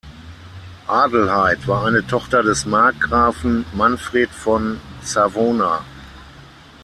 Adelheid war eine Tochter des Markgrafen Manfred von Savona.